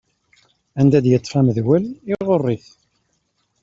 Anda d-yeṭṭef amedwel, iɣuṛṛ-it.